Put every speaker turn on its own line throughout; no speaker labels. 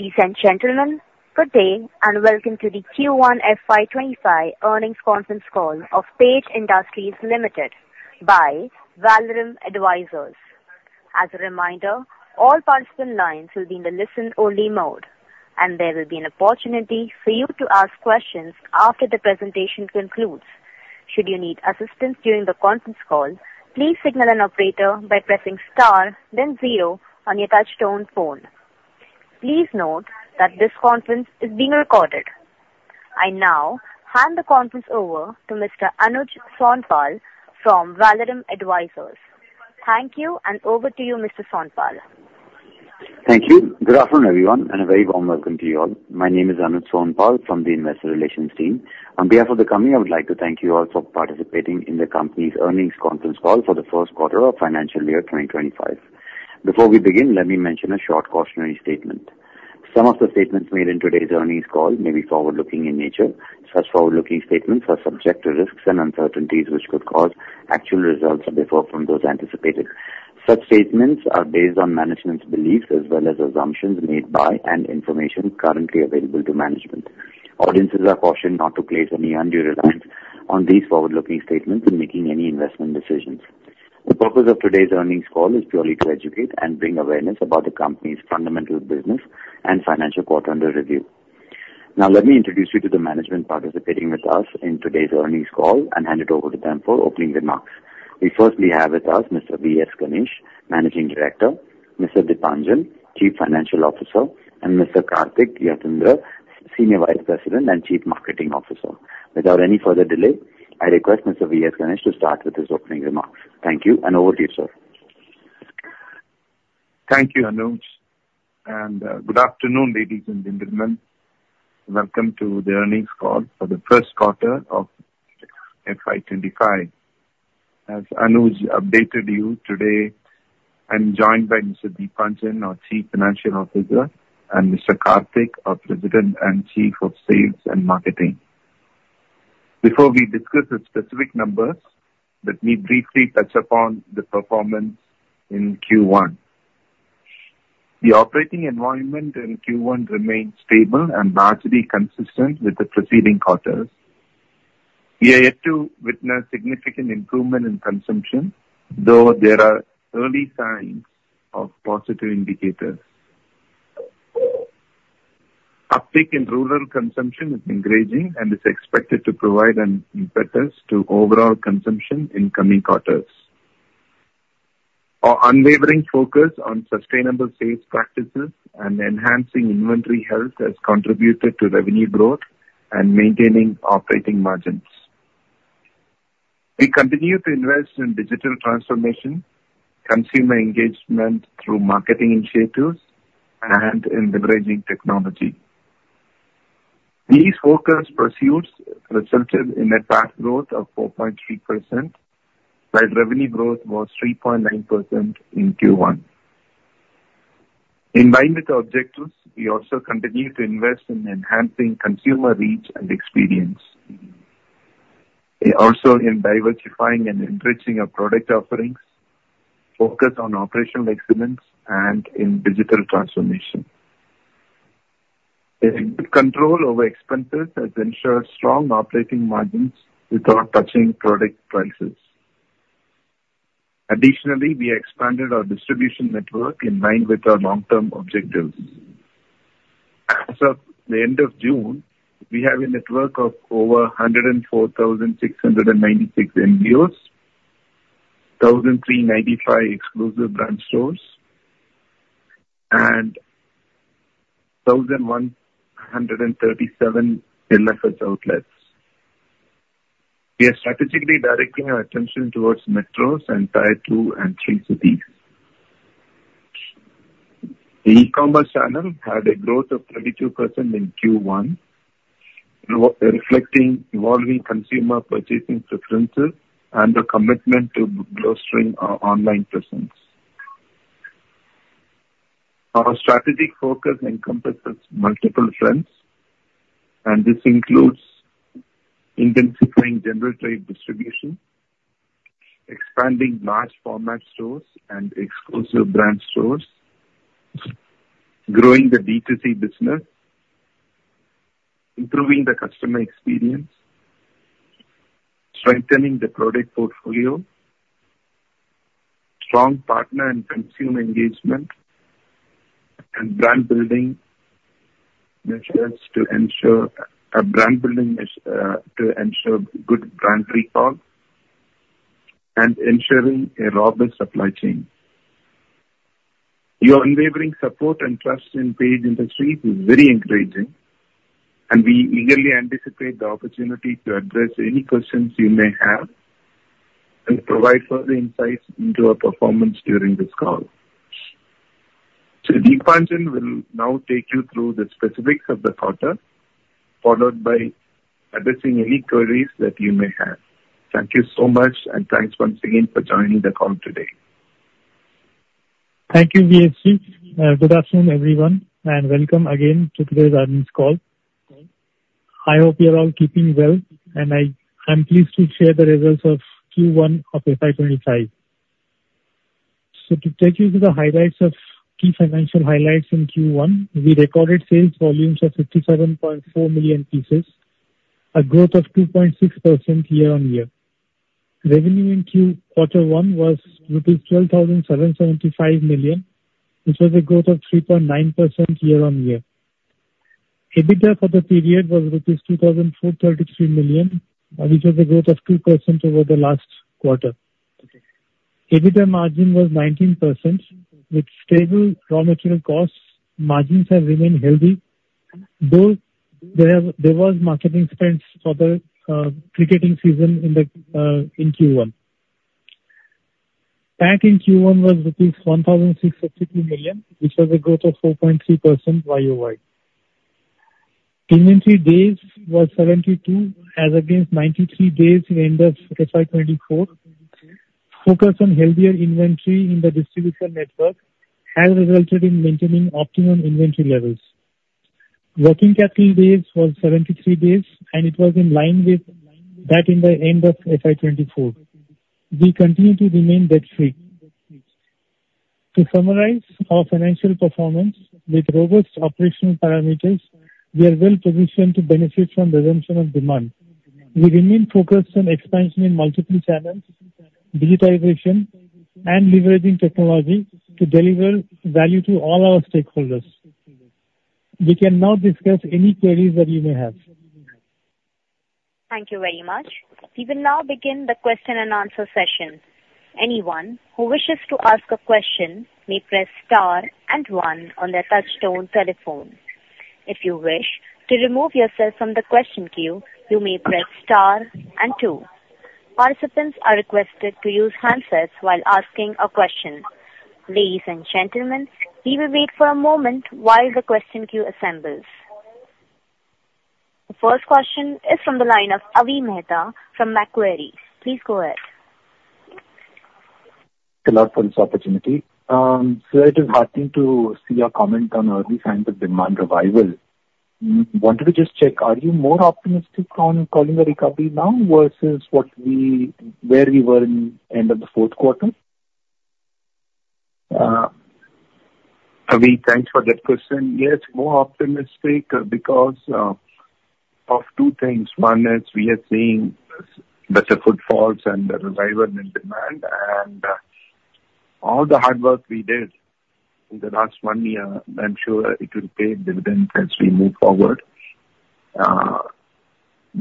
Ladies and gentlemen, good day and welcome to the Q1 FY25 earnings conference call of Page Industries Ltd. by Valorem Advisors. As a reminder, all participant lines will be in the listen-only mode, and there will be an opportunity for you to ask questions after the presentation concludes. Should you need assistance during the conference call, please signal an operator by pressing star, then zero on your touch-tone phone. Please note that this conference is being recorded. I now hand the conference over to Mr. Anuj Sonpal from Valorem Advisors. Thank you, and over to you, Mr. Sonpal.
Thank you. Good afternoon, everyone, and a very warm welcome to you all. My name is Anuj Sonpal from the Investor Relations team. On behalf of the company, I would like to thank you all for participating in the company's earnings conference call for the first quarter of financial year 2025. Before we begin, let me mention a short cautionary statement. Some of the statements made in today's earnings call may be forward-looking in nature. Such forward-looking statements are subject to risks and uncertainties which could cause actual results to differ from those anticipated. Such statements are based on management's beliefs as well as assumptions made by and information currently available to management. Audiences are cautioned not to place any undue reliance on these forward-looking statements in making any investment decisions. The purpose of today's earnings call is purely to educate and bring awareness about the company's fundamental business and financial quarter-end review. Now, let me introduce you to the management participating with us in today's earnings call and hand it over to them for opening remarks. We firstly have with us Mr. V.S. Ganesh, Managing Director, Mr. Deepanjan, Chief Financial Officer, and Mr. Karthik Yathindra, Senior Vice President and Chief Marketing Officer. Without any further delay, I request Mr. V.S. Ganesh to start with his opening remarks. Thank you, and over to you, sir.
Thank you, Anuj, and good afternoon, ladies and gentlemen. Welcome to the earnings call for the first quarter of FY25. As Anuj updated you today, I'm joined by Mr. Deepanjan, our Chief Financial Officer, and Mr. Karthik, our President and Chief of Sales and Marketing. Before we discuss a specific number, let me briefly touch upon the performance in Q1. The operating environment in Q1 remained stable and largely consistent with the preceding quarter. We are yet to witness significant improvement in consumption, though there are early signs of positive indicators. Uptake in rural consumption is engaging and is expected to provide an impetus to overall consumption in coming quarters. Our unwavering focus on sustainable sales practices and enhancing inventory health has contributed to revenue growth and maintaining operating margins. We continue to invest in digital transformation, consumer engagement through marketing initiatives, and in leveraging technology. These focused pursuits resulted in a PAT growth of 4.3%, while revenue growth was 3.9% in Q1. In line with our objectives, we also continue to invest in enhancing consumer reach and experience. We also aim diversifying and enriching our product offerings, focus on operational excellence, and in digital transformation. Their control over expenses has ensured strong operating margins without touching product prices. Additionally, we have expanded our distribution network in line with our long-term objectives. As of the end of June, we have a network of over 104,696 POS, 1,395 exclusive brand stores, and 1,137 business outlets. We have strategically directed our attention towards metros and Tier 2 and Tier 3 cities. The e-commerce channel had a growth of 32% in Q1, reflecting evolving consumer purchasing preferences and the commitment to bolstering our online presence. Our strategic focus encompasses multiple fronts, and this includes intensifying general trade distribution, expanding large-format stores and exclusive brand stores, growing the B2C business, improving the customer experience, strengthening the product portfolio, strong partner and consumer engagement, and brand building measures to ensure good brand recall and ensuring a robust supply chain. Your unwavering support and trust in Page Industries is very encouraging, and we eagerly anticipate the opportunity to address any questions you may have and provide further insights into our performance during this call. Deepanjan will now take you through the specifics of the quarter, followed by addressing any queries that you may have. Thank you so much, and thanks once again for joining the call today.
Thank you, V.S. Ganesh. Good afternoon, everyone, and welcome again to today's earnings call. I hope you're all keeping well, and I'm pleased to share the results of Q1 of FY25. To take you to the highlights of key financial highlights in Q1, we recorded sales volumes of 57.4 million pieces, a growth of 2.6% year-on-year. Revenue in Q1 was rupees 12,775 million, which was a growth of 3.9% year-on-year. EBITDA for the period was rupees 2,433 million, which was a growth of 2% over the last quarter. EBITDA margin was 19%. With stable raw material costs, margins have remained healthy, though there was marketing spend for the ticketing season in Q1. PAC in Q1 was rupees 1,652 million, which was a growth of 4.3% YOY. Inventory days was 72, as against 93 days in end of FY24. Focus on healthier inventory in the distribution network has resulted in maintaining optimum inventory levels. Working capital days was 73 days, and it was in line with that in the end of FY2024. We continue to remain debt-free. To summarize our financial performance, with robust operational parameters, we are well positioned to benefit from the resumption of demand. We remain focused on expansion in multiple channels, digitization, and leveraging technology to deliver value to all our stakeholders. We can now discuss any queries that you may have.
Thank you very much. We will now begin the question and answer session. Anyone who wishes to ask a question may press star and one on their touch-tone telephone. If you wish to remove yourself from the question queue, you may press star and two. Participants are requested to use handsets while asking a question. Ladies and gentlemen, we will wait for a moment while the question queue assembles. The first question is from the line of Avi Mehta from Macquarie. Please go ahead.
Good afternoon, Sophachinathi. I'm heartened to see your comment on Avi's handle on demand revival. Wanted to just check, are you more optimistic on calling the recovery now versus where we were in the end of the fourth quarter?
Avi, thanks for that question. Yes, more optimistic because of two things. One is we are seeing better footfalls and the revival in demand, and all the hard work we did in the last one year, I'm sure it will pay dividends as we move forward.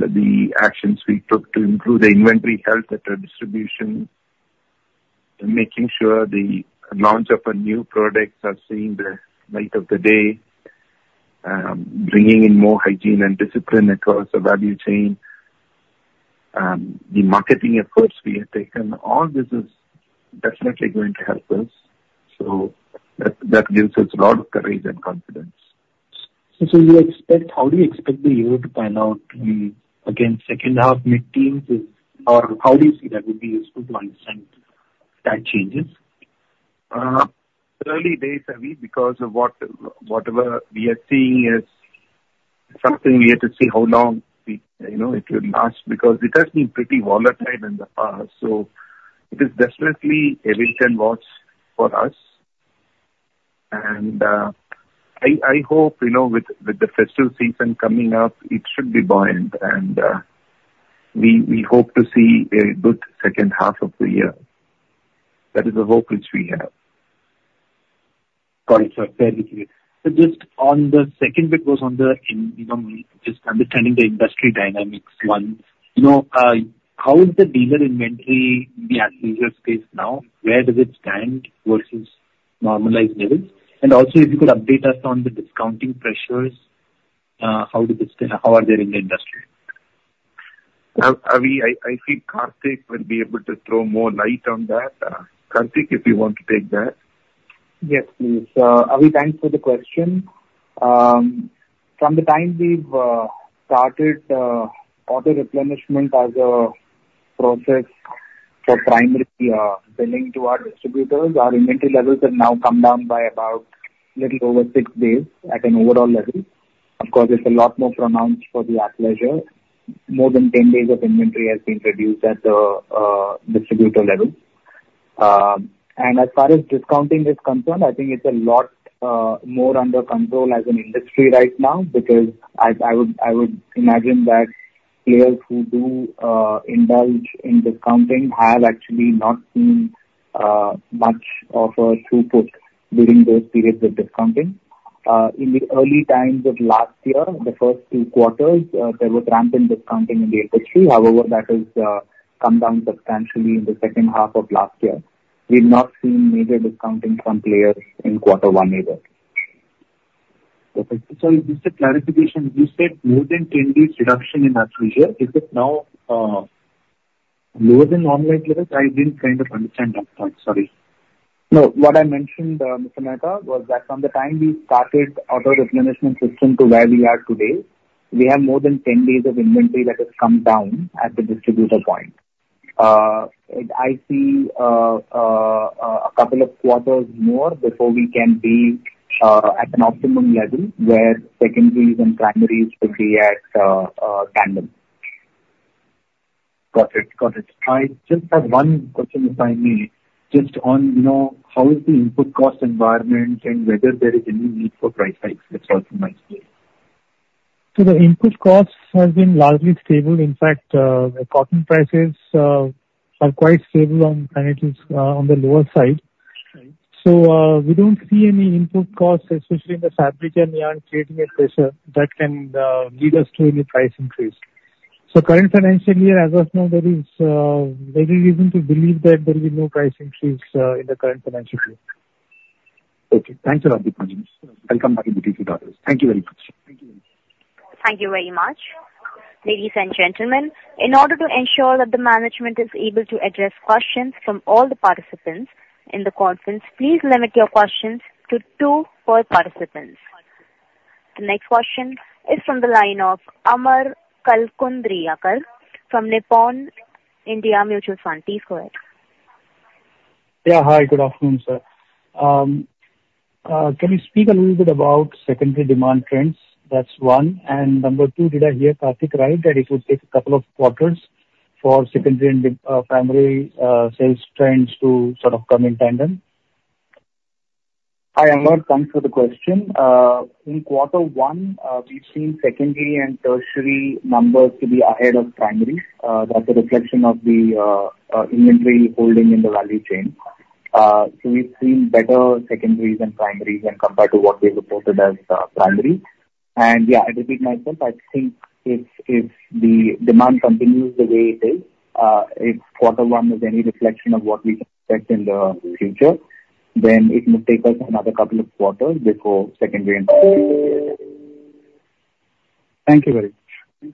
The actions we took to improve the inventory health at our distribution, making sure the launch of a new product has seen the light of the day, bringing in more hygiene and discipline across the value chain, the marketing efforts we have taken, all this is definitely going to help us. So that gives us a lot of courage and confidence.
So you expect, how do you expect the year to pan out? Again, second-half mid-teens to, or how do you see that would be useful to understand that changes?
Early days, Avi, because of whatever we are seeing is something we have to see how long it will last because it has been pretty volatile in the past. So it is definitely a little watch for us. And I hope with the festive season coming up, it should be buoyed, and we hope to see a good second half of the year. That is the hope which we have.
Got it. So just on the second bit was on the, just understanding the industry dynamics one. How is the retail inventory in the apparel space now? Where does it stand versus normalized level? And also, if you could update us on the discounting pressures, how are they in the industry?
Avi, I think Karthik will be able to throw more light on that. Karthik, if you want to take that.
Yes, please. Avi, thanks for the question. From the time we've started all the replenishment as a process for primary billing to our distributors, our inventory levels have now come down by about a little over six days at an overall level. Of course, it's a lot more pronounced for the athleisure. More than 10 days of inventory has been reduced at the distributor level. And as far as discounting is concerned, I think it's a lot more under control as an industry right now because I would imagine that players who do indulge in discounting have actually not seen much of a throughput during those periods of discounting. In the early times of last year, the first two quarters, there was rampant discounting in the industry. However, that has come down substantially in the second half of last year. We've not seen major discounting from players in quarter one either. Perfect. Sorry, just a clarification. You said more than 10 days reduction in last three years. Is it now lower than normalized levels? I didn't kind of understand that part, sorry.
No, what I mentioned, Mr. Mehta, was that from the time we started other replenishment system to where we are today, we have more than 10 days of inventory that has come down at the distributor point. I see a couple of quarters more before we can be at an optimum level where secondaries and primaries will be at tandem.
Got it. Got it. I just have one question if I may. Just on how is the input cost environment and whether there is any need for price hikes as far as you might see it?
The input costs have been largely stable. In fact, the cotton prices are quite stable on the lower side. So we don't see any input costs, especially in the fabric and yarn trading at pressure that can lead us to any price increase. So current financial year, as of now, there is every reason to believe that there will be no price increase in the current financial year.
Okay. Thanks a lot, Deepanjan. Welcome back in the digital quarter. Thank you very much.
Thank you.
Thank you very much. Ladies and gentlemen, in order to ensure that the management is able to address questions from all the participants in the conference, please limit your questions to two per participant. The next question is from the line of Amar Kalkundrikar from Nippon India Mutual Fund. Please go ahead.
Yeah, hi. Good afternoon, sir. Can you speak a little bit about secondary demand trends? That's one. And number two, did I hear Karthik right that it will take a couple of quarters for secondary and primary sales trends to sort of come in tandem?
I am not comfortable with the question. In quarter one, we've seen secondary and tertiary numbers to be ahead of primaries. That's a reflection of the inventory holding in the value chain. So we've seen better secondaries and primaries compared to what they reported as primary. And yeah, I repeat myself. I think if the demand continues the way it is, if quarter one is any reflection of what we expect in the future, then it will take us another couple of quarters before secondary and primary. Thank you very much.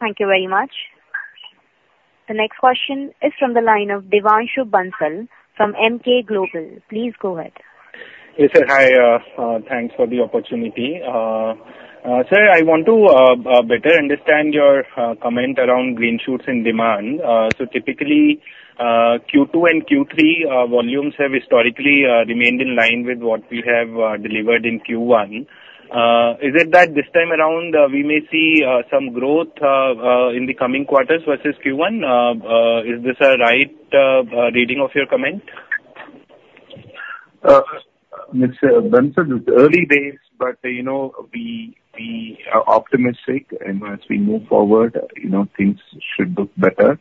Thank you very much. The next question is from the line of Devanshu Bansal from Emkay Global. Please go ahead.
Yes, sir. Hi. Thanks for the opportunity. Sir, I want to better understand your comment around green shoots in demand. So typically, Q2 and Q3 volumes have historically remained in line with what we have delivered in Q1. Is it that this time around we may see some growth in the coming quarters versus Q1? Is this a right reading of your comment?
Mr. Bansal, it's early days, but we are optimistic as we move forward. Things should look better.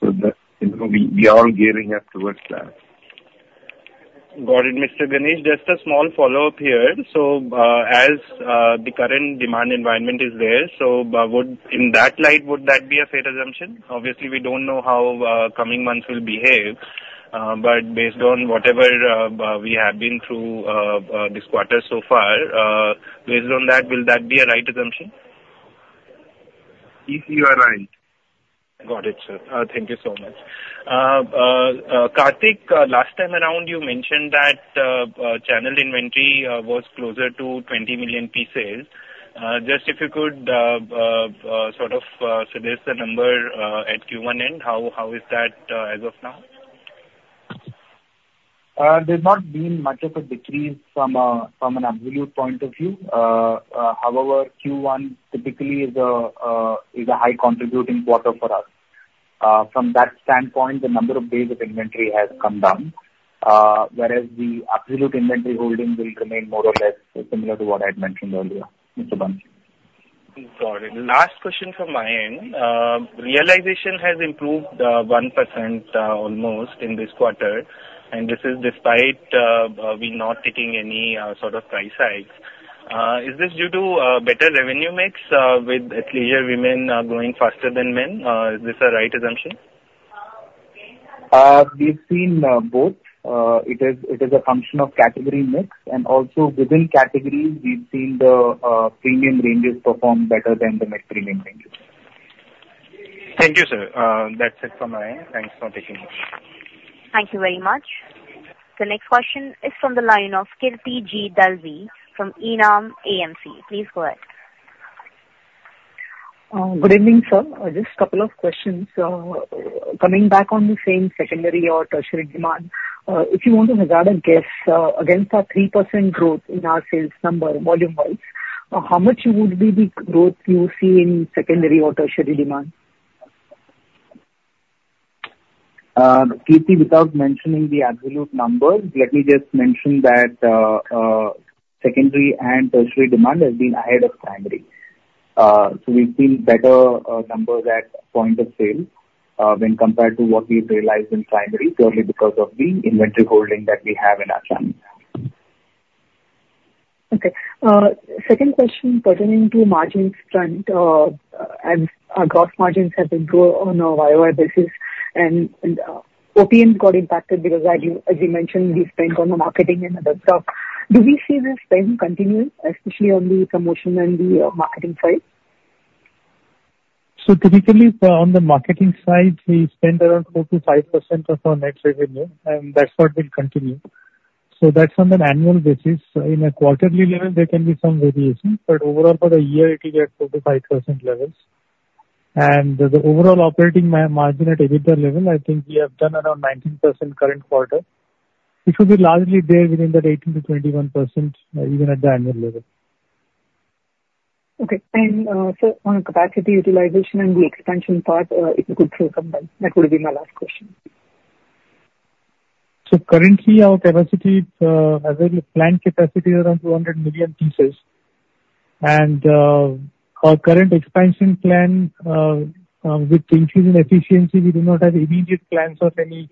So we are gearing up towards that.
Got it. Mr. Ganesh, just a small follow-up here. So as the current demand environment is there, so in that light, would that be a fair assumption? Obviously, we don't know how coming months will behave, but based on whatever we have been through this quarter so far, based on that, will that be a right assumption?
Yes, you are right.
Got it, sir. Thank you so much. Karthik, last time around, you mentioned that channel inventory was closer to 20 million pieces. Just if you could sort of suggest the number at Q1 end, how is that as of now?
There's not been much of a decrease from an absolute point of view. However, Q1 typically is a high contributing quarter for us. From that standpoint, the number of days of inventory has come down, whereas the absolute inventory holding will remain more or less similar to what I've mentioned earlier, Mr. Bansal.
Got it. Last question from my end. Realization has improved 1% almost in this quarter, and this is despite we not taking any sort of price hikes. Is this due to better revenue mix with at least women going faster than men? Is this a right assumption?
We've seen both. It is a function of category mix, and also within categories, we've seen the premium ranges perform better than the mixed premium ranges.
Thank you, sir. That's it from my end. Thanks for taking it.
Thank you very much. The next question is from the line of Kirti G. Dalvi from Enam AMC. Please go ahead.
Good evening, sir. Just a couple of questions. Coming back on the same secondary or tertiary demand, if you want to regard a guess against our 3% growth in our sales number volume-wise, how much would be the growth you see in secondary or tertiary demand?
Kirti, without mentioning the absolute numbers, let me just mention that secondary and tertiary demand has been ahead of primary. So we've seen better numbers at point of sale when compared to what we've realized in primary, purely because of the inventory holding that we have in our channels.
Okay. Second question pertaining to margins trend. Gross margins have been growing on a YoY basis, and OPM got impacted because, as you mentioned, we spent on the marketing and other stuff. Do we see this spend continuing, especially on the promotion and the marketing side?
So typically, on the marketing side, we spend around 45% of our net revenue, and that's what will continue. So that's on an annual basis. In a quarterly level, there can be some variation, but overall, for the year, it will be at 45% levels. And the overall operating margin at EBITDA level, I think we have done around 19% current quarter. It will be largely there within that 18%-21%, even at the annual level.
Okay. And sir, on capacity utilization and the expansion path, if you could take up, that would be my last question?
Currently, our capacity has a planned capacity around 200 million pieces. Our current expansion plan, with increasing efficiency, we do not have immediate plans of any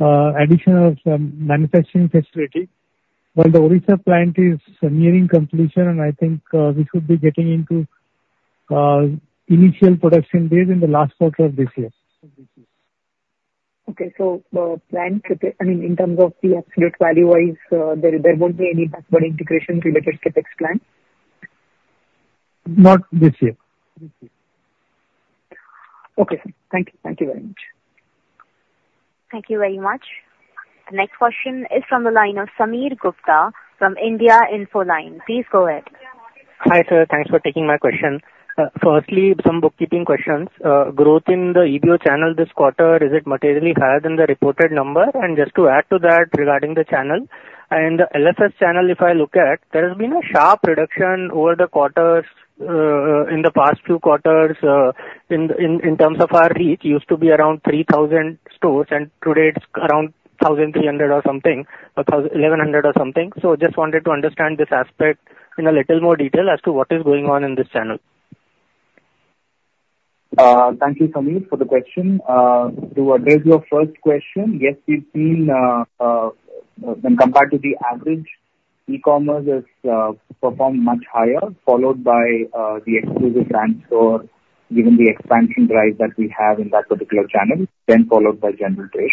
additional manufacturing facility. The Odisha plant is nearing completion, and I think we should be getting into initial production days in the last quarter of this year.
Okay. So plan, I mean, in terms of the absolute value-wise, there won't be any backward integration related to Kitex plant?
Not this year.
Okay. Thank you. Thank you very much.
Thank you very much. The next question is from the line of Sameer Gupta from India Infoline. Please go ahead.
Hi, sir. Thanks for taking my question. Firstly, some bookkeeping questions. Growth in the EBO channel this quarter, is it materially higher than the reported number? And just to add to that regarding the channel, in the LFS channel, if I look at, there has been a sharp reduction over the quarters, in the past few quarters, in terms of our reach, used to be around 3,000 stores, and today it's around 1,300 or something, 1,100 or something. So I just wanted to understand this aspect in a little more detail as to what is going on in this channel.
Thank you, Sameer, for the question. To address your first question, yes, we've seen when compared to the average, e-commerce has performed much higher, followed by the exclusive brand store given the expansion drive that we have in that particular channel, then followed by general trade.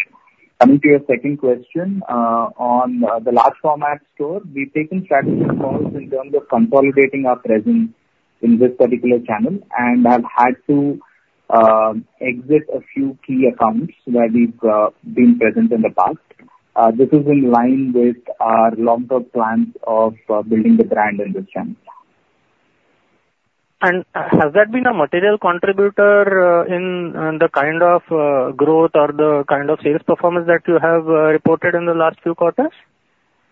Coming to your second question on the large format store, we've taken strategic calls in terms of consolidating our presence in this particular channel, and I've had to exit a few key accounts where we've been present in the past. This is in line with our long-term plans of building the brand in this channel.
Has that been a material contributor in the kind of growth or the kind of sales performance that you have reported in the last few quarters?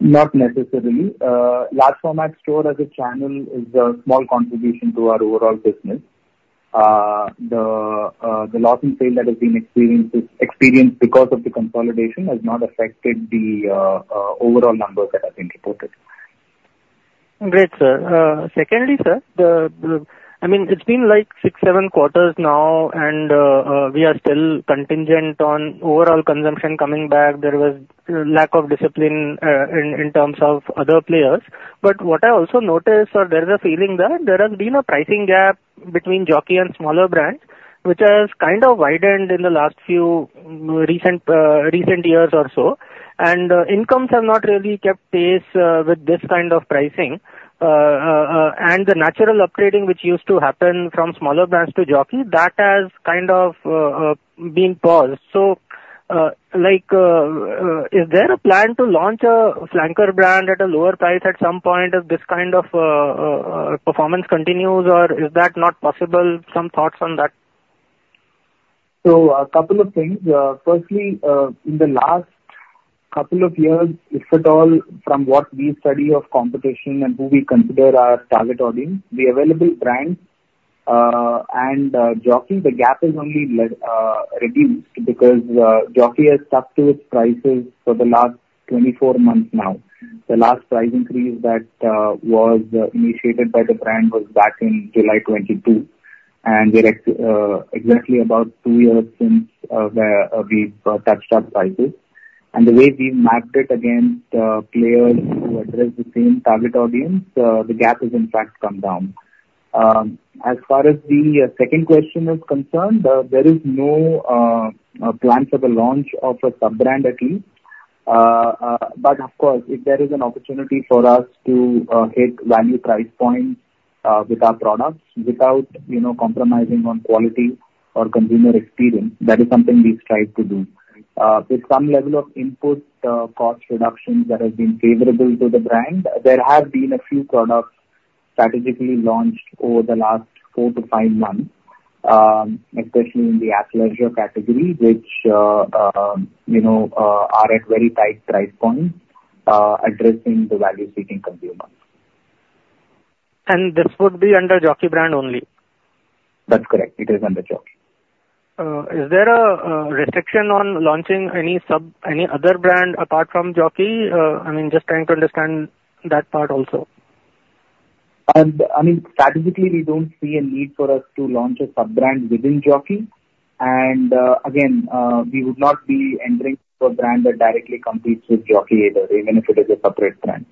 Not necessarily. Large format store as a channel is a small contribution to our overall business. The loss in sale that has been experienced because of the consolidation has not affected the overall numbers that have been reported.
Great, sir. Secondly, sir, I mean, it's been like six, seven quarters now, and we are still contingent on overall consumption coming back. There was lack of discipline in terms of other players. But what I also noticed, sir, there's a feeling that there has been a pricing gap between Jockey and smaller brand, which has kind of widened in the last few recent years or so. And incomes have not really kept pace with this kind of pricing. And the natural upgrading which used to happen from smaller brands to Jockey, that has kind of been paused. So is there a plan to launch a flanker brand at a lower price at some point if this kind of performance continues, or is that not possible? Some thoughts on that?
A couple of things. Firstly, in the last couple of years, if at all, from what we study of competition and who we consider our target audience, the available brands and Jockey, the gap has only reduced because Jockey has stuck to its prices for the last 24 months now. The last price increase that was initiated by the brand was back in July 2022, and we're exactly about two years since we've touched up prices. The way we've mapped it against players who address the same target audience, the gap has in fact come down. As far as the second question is concerned, there is no plan for the launch of a sub-brand at least. But of course, if there is an opportunity for us to hit value price points with our products without compromising on quality or consumer experience, that is something we strive to do. With some level of input cost reductions that have been favorable to the brand, there have been a few products strategically launched over the last four to five months, especially in the athleisure category, which are at very tight price points addressing the value-seeking consumer.
This would be under Jockey brand only?
That's correct. It is under Jockey.
Is there a restriction on launching any other brand apart from Jockey? I mean, just trying to understand that part also.
I mean, strategically, we don't see a need for us to launch a sub-brand within Jockey. And again, we would not be entering a sub-brand that directly competes with Jockey either, even if it is a separate brand.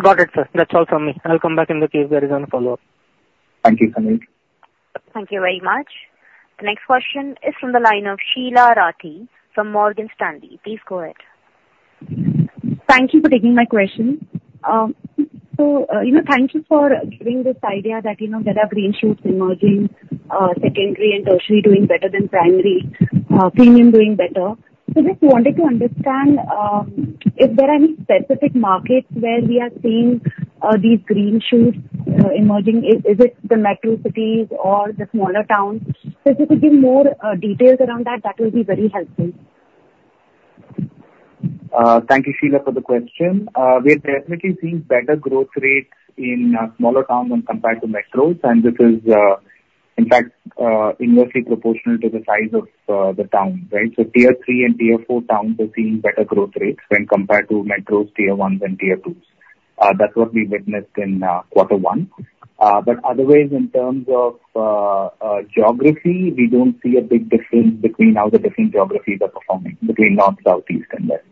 Got it, sir. That's all from me. I'll come back in the case there is any follow-up.
Thank you, Sameer.
Thank you very much. The next question is from the line of Sheela Rathi from Morgan Stanley. Please go ahead.
Thank you for taking my question. So thank you for giving this idea that there are green shoots emerging, secondary and tertiary doing better than primary, premium doing better. So just wanted to understand if there are any specific markets where we are seeing these green shoots emerging. Is it the metro cities or the smaller towns? So if you could give more details around that, that will be very helpful.
Thank you, Sheela, for the question. We are definitely seeing better growth rates in smaller towns when compared to metros, and this is in fact inversely proportional to the size of the town, right? So Tier 3 and Tier 4 towns are seeing better growth rates when compared to metros, Tier 1's, and Tier 2. That's what we witnessed in quarter one. But otherwise, in terms of geography, we don't see a big difference between how the different geographies are performing between north, southeast, and west.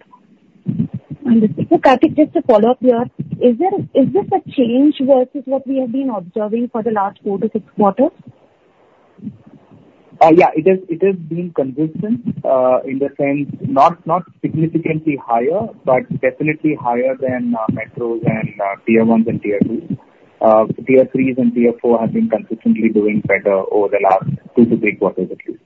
Understood. So Karthik, just to follow up here, is this a change versus what we have been observing for the last fout to six quarters?
Yeah, it has been consistent in the sense not significantly higher, but definitely higher than metros and Tier 1's and Tier 2. Tier 3's and Tier 4 have been consistently doing better over the last two to three quarters at least.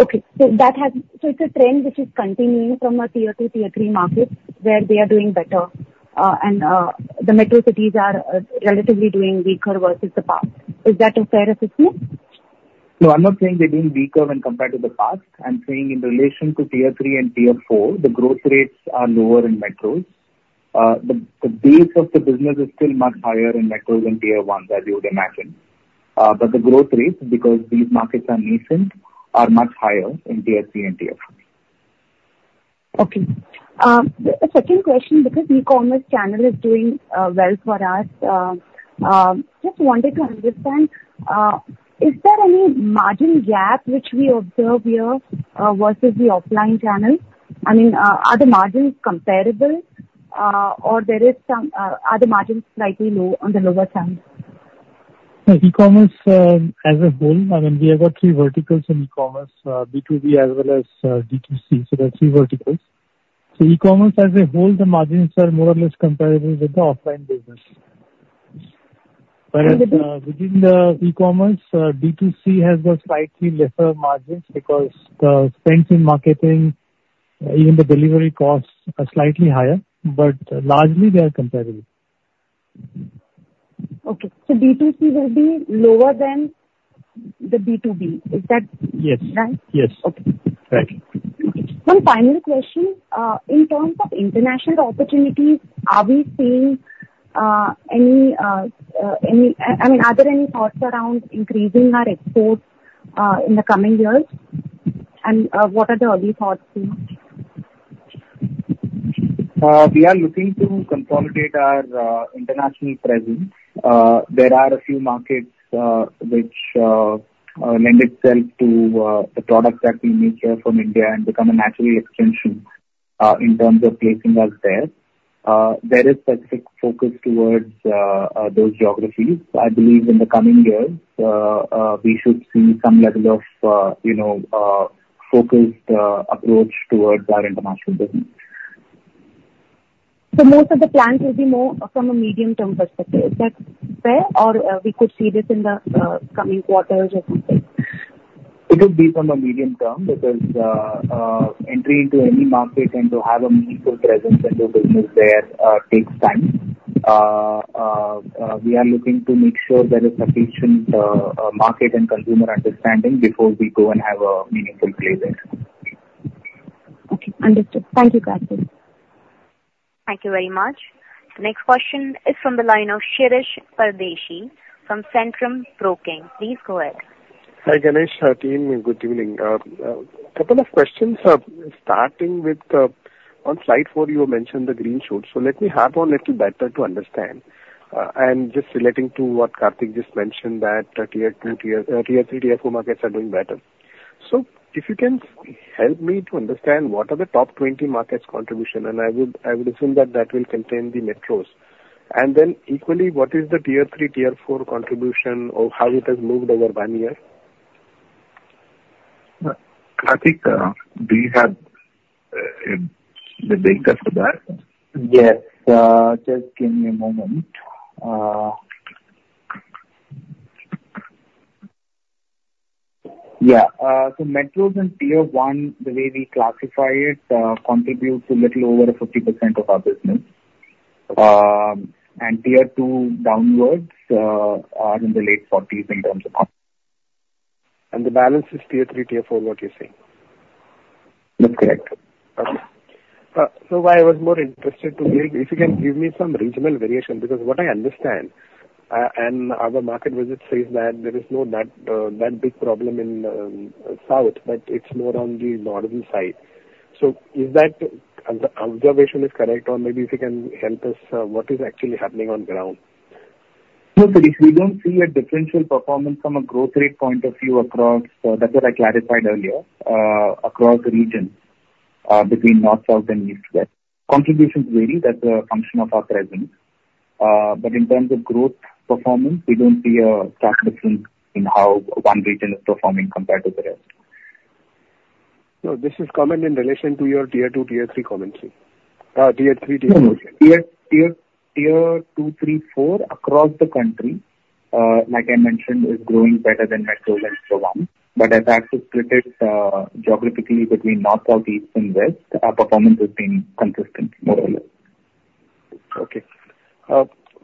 Okay. So it's a trend which is continuing from a Tier 2, Tier 3 market where they are doing better, and the metro cities are relatively doing weaker versus the past. Is that a fair assessment?
No, I'm not saying they're doing weaker when compared to the past. I'm saying in relation to Tier 3 and Tier 4, the growth rates are lower in metros. The base of the business is still much higher in metros than Tier 1's, as you would imagine. But the growth rates, because these markets are nascent, are much higher in Tier 3 and Tier 4.
Okay. A second question, because the e-commerce channel is doing well for us, just wanted to understand, is there any margin gap which we observe here versus the offline channel? I mean, are the margins comparable, or are the margins slightly low on the lower side?
e-commerce as a whole, I mean, we have got three verticals in e-commerce, B2B as well as D2C. So there are three verticals. So e-commerce as a whole, the margins are more or less comparable with the offline business. Whereas within the e-commerce, B2C has got slightly lesser margins because the spend in marketing, even the delivery costs are slightly higher, but largely they are comparable.
Okay. B2C will be lower than the B2B. Is that right?
Yes. Yes.
Okay.
Correct.
One final question. In terms of international opportunities, are we seeing any—I mean, are there any thoughts around increasing our exports in the coming years? And what are the early thoughts?
We are looking to consolidate our international presence. There are a few markets which lend themselves to the products that we make here from India and become a natural extension in terms of placing us there. There is specific focus towards those geographies. I believe in the coming years, we should see some level of focused approach towards our international business.
Most of the plans will be more from a medium-term perspective. Is that fair? Or we could see this in the coming quarters or something?
It would be from a medium term because entry into any market and to have a meaningful presence in the business there takes time. We are looking to make sure there is sufficient market and consumer understanding before we go and have a meaningful playlist.
Okay. Understood. Thank you, Karthik.
Thank you very much. The next question is from the line of Shirish Pardeshi from Centrum Broking. Please go ahead.
Hi Ganesh, team. Good evening. A couple of questions starting with on slide 4, you mentioned the green shoots. So let me harp on a little better to understand. And just relating to what Karthik just mentioned, that Tier 2, Tier 3, Tier 4 markets are doing better. So if you can help me to understand what are the top 20 markets' contribution, and I would assume that that will contain the metros. And then equally, what is the Tier 3, Tier 4 contribution or how it has moved over one year?
Karthik, do you have the data for that?
Yes. Just give me a moment. Yeah. So metros and Tier 1, the way we classify it, contribute to a little over 50% of our business. And Tier 2 downwards are in the late 40s% in terms of market.
The balance is Tier 3, Tier 4, what you're saying?
That's correct.
Okay. So why I was more interested to hear, if you can give me some regional variation, because what I understand and our market visit says that there is no that big problem in south, but it's more on the northern side. So is that observation correct, or maybe if you can help us, what is actually happening on ground?
Yes, we don't see a differential performance from a growth rate point of view across—that's what I clarified earlier—across the region between north, south, and east. Yes. Contribution's varied. That's a function of our presence. But in terms of growth performance, we don't see a stark difference in how one region is performing compared to the rest.
This is comment in relation to your Tier 2, Tier 3 comment, sir?
Tier 3, Tier 4.
Tier 2, Tier 4 across the country, like I mentioned, is growing better than metro and Tier 1. But as that's split geographically between north, south, east, and west, our performance has been consistent, more or less. Okay.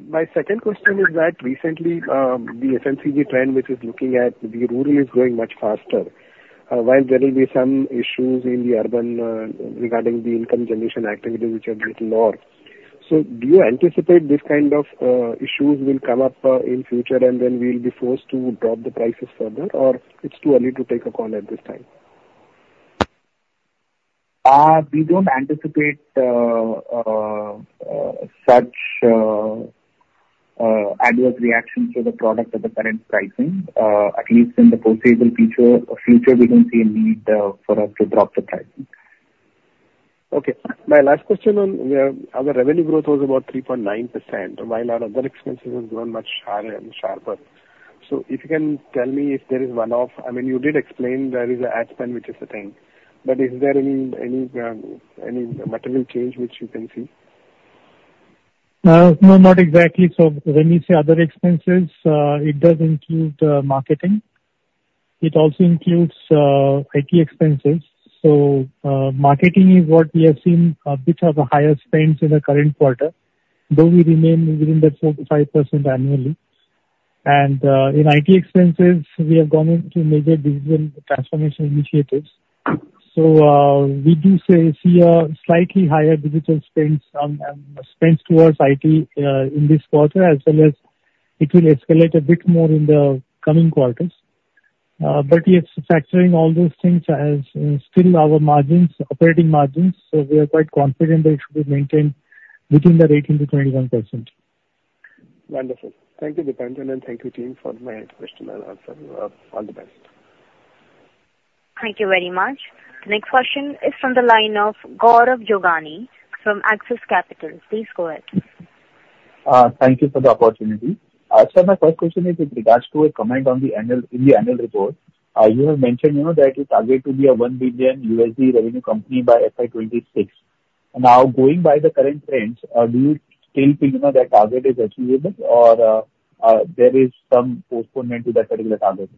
My second question is that recently, the SMCG trend, which is looking at the rural, is growing much faster, while there will be some issues in the urban regarding the income generation activities, which are a little more. So do you anticipate this kind of issues will come up in future and then we'll be forced to drop the prices further, or it's too early to take a call at this time?
We don't anticipate such adverse reactions to the product at the current pricing. At least in the foreseeable future, we don't see a need for us to drop the pricing.
Okay. My last question on our revenue growth was about 3.9%, while our other expenses have grown much higher and sharper. So if you can tell me if there is one of, I mean, you did explain there is an ad spend, which is a thing. But is there any material change which you can see?
No, not exactly. So when we say other expenses, it does include marketing. It also includes IT expenses. So marketing is what we have seen a bit of a higher spend in the current quarter, though we remain within the 4%-5% annually. And in IT expenses, we have gone into major digital transformation initiatives. So we do see a slightly higher digital spend towards IT in this quarter, as well as it will escalate a bit more in the coming quarters. But we are factoring all those things as still our operating margins, so we are quite confident they should be maintained within that 18%-21%.
Wonderful. Thank you, Deepanjan, and thank you, team, for my question. I'll answer you. All the best.
Thank you very much. The next question is from the line of Gaurav Jogani from Axis Capital. Please go ahead.
Thank you for the opportunity. Actually, my first question is with regards to a comment on the annual report. You have mentioned that you target to be a $1 billion revenue company by FY 2026. Now, going by the current trends, do you still feel that target is achievable, or there is some postponement to that particular target?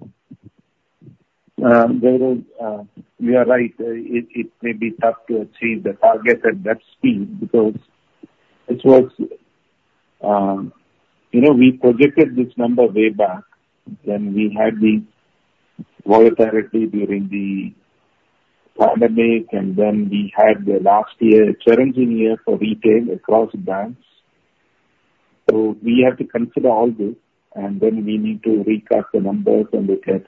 We are right. It may be tough to achieve the target at that speed because it works. We projected this number way back when we had the volatility during the pandemic, and then we had the last year challenging year for retail across brands. We have to consider all this, and then we need to retrack the numbers and look at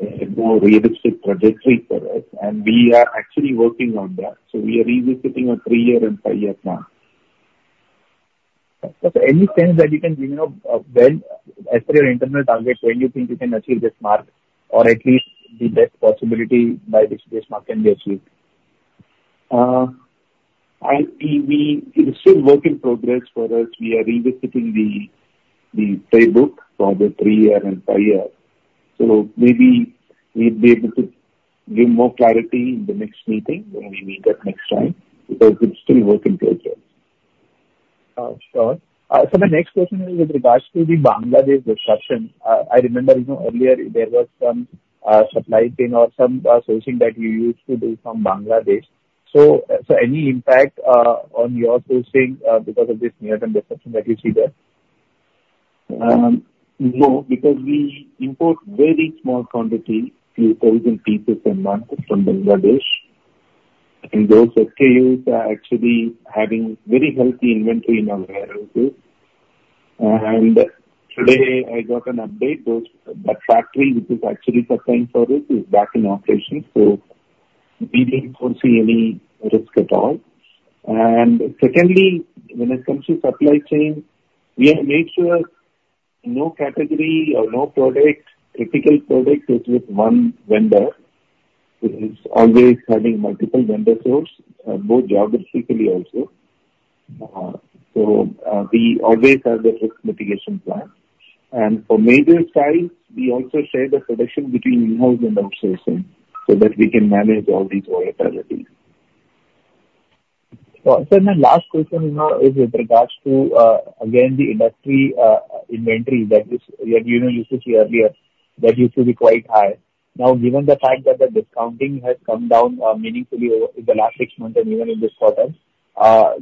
a more realistic trajectory for us. We are actually working on that. We are revisiting a three-year and five-year plan.
Any sense that you can give as per your internal target, where you think you can achieve this mark, or at least the best possibility by which this mark can be achieved?
It's still a work in progress for us. We are revisiting the playbook for the three-year and five-year. So maybe we'll be able to give more clarity in the next meeting when we meet up next time because it's still a work in progress.
Sure. So my next question is with regards to the Bangladesh recession. I remember earlier there was some supply chain or some sourcing that you used to do from Bangladesh. So any impact on your sourcing because of this near-term recession that you see there?
No, because we import very small quantity to Italy and pieces in Mango from Bangladesh. And those retailers are actually having very healthy inventory in our EBOs. And today, I got an update that factory, which is actually supplying service, is back in operation. So we didn't foresee any risk at all. And secondly, when it comes to supply chain, we have made sure no category or no product, typical product, is with one vendor. It's always having multiple vendor sources, both geographically also. So we always have the risk mitigation plan. And for major size, we also share the selection between in-house and outsourcing so that we can manage all these volatilities.
So my last question is with regards to, again, the industry inventory that you used to see earlier, that used to be quite high. Now, given the fact that the discounting has come down meaningfully in the last six months and even in this quarter,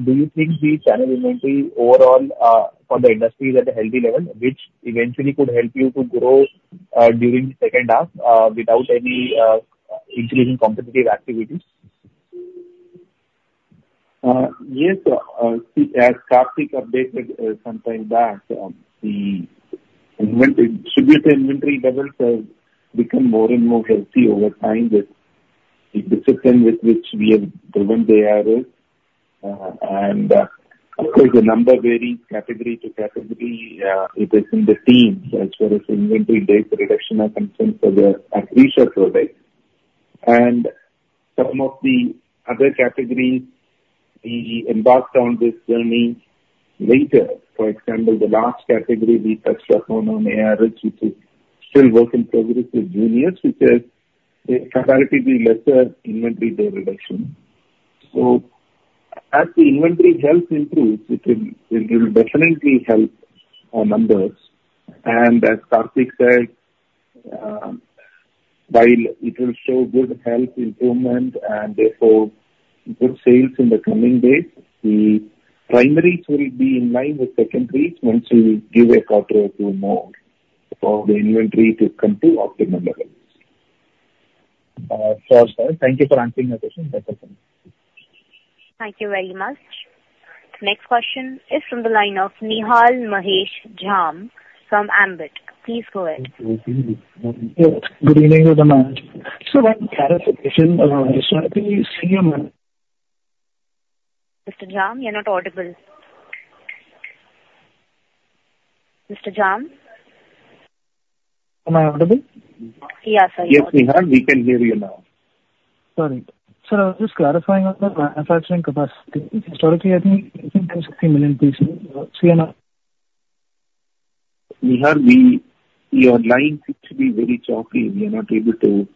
do you think the channel inventory overall for the industry is at a healthy level, which eventually could help you to grow during the second half without any increase in competitive activities?
Yes. As Karthik updated some time back, the inventory should be the inventory levels have become more and more healthy over time with the discipline with which we have driven the areas. The numbers vary category to category, it is in the teens as far as inventory days reduction of concerns for the innerwear product. And some of the other categories, we embarked on this journey later. For example, the last category we touched upon on ARS, which is still a work in progress with juniors, which has comparatively lesser inventory-based reduction. So as the inventory health improves, it will definitely help our margins. And as Karthik said, while it will show good health improvement and therefore good sales in the coming days, the primaries will be in line with secondaries once we give a couple or two more of the inventory to continue optimal level.
Thank you for answering my question.
Thank you very much. Next question is from the line of Nihal Mahesh Jham from Ambit. Please go ahead.
Good evening. Good evening. So when clarification is there, can you see my?
Mr. Jham, you're not audible. Mr. Jham?
Am I audible?
Yes, sir.
Yes, Nihal, we can hear you now.
Sorry. So just clarifying on the manufacturing capacity. Historically, I think 16 million pieces. See?
Nihal, your lines seem to be very choppy. We are not able to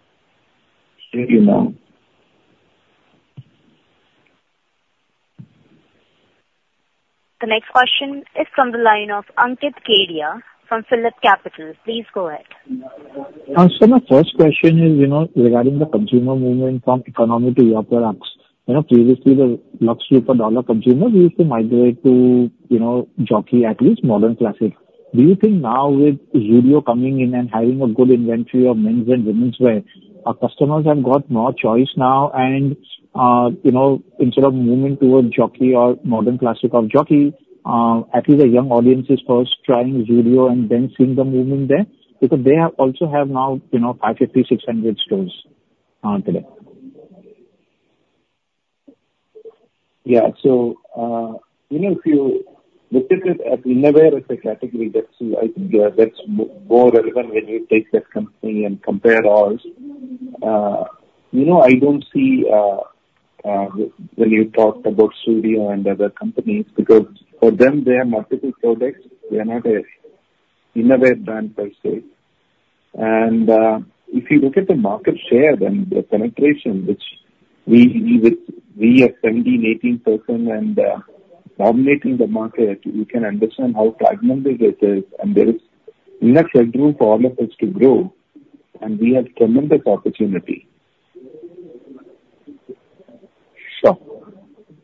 hear you now.
The next question is from the line of Ankit Kedia from PhillipCapital. Please go ahead.
So my first question is regarding the consumer movement from economy to premium. Previously, the luxury per dollar consumers used to migrate to Jockey, at least Modern Classic. Do you think no w with Zudio coming in and having a good inventory of men's and women's wear, our customers have got more choice now? And instead of moving towards Jockey or Modern Classic of Jockey, at least the young audience is first trying Zudio and then seeing the movement there? Because they also have now 550 to 600 stores today.
Yeah. So if you look at it in a way with the category that's more relevant when you take that company and compare all, I don't see when you talked about Zudio and other companies because for them, they are multiple products. They are not an innovative brand per se. And if you look at the market share and the penetration, which we are 17%-18% and dominating the market, you can understand how fragmented it is. And there is enough headroom for it to grow, and we have tremendous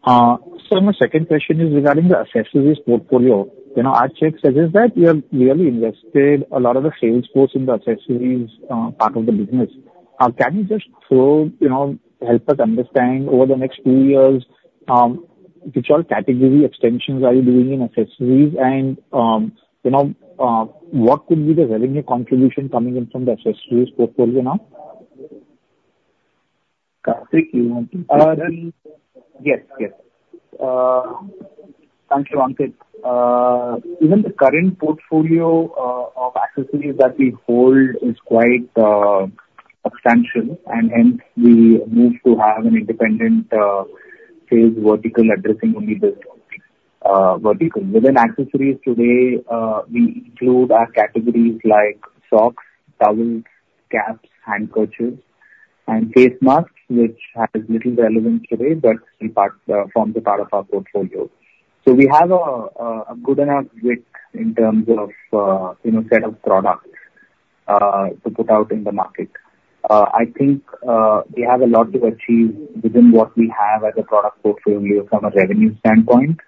opportunity.
Sure. So my second question is regarding the accessories portfolio. Our check says that you have really invested a lot of the sales force in the accessories part of the business. Can you just help us understand over the next few years, which all category extensions are you doing in accessories? And what could be the revenue contribution coming in from the accessories portfolio now?
Karthik, you want me to?
Yes. Yes. Thank you, Ankit. Even the current portfolio of accessories that we hold is quite substantial. We moved to have an independent sales vertical addressing only this vertical. Within accessories today, we include our categories like socks, towels, caps, handkerchiefs, and face masks, which have little relevance today, but they form part of our portfolio. We have a good enough width in terms of set of products to put out in the market. I think we have a lot to achieve within what we have as a product portfolio from a revenue standpoint.